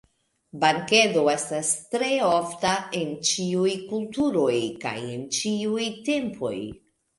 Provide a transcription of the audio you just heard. Bankedo estas tre ofta en ĉiuj kulturoj kaj en ĉiuj tempoj.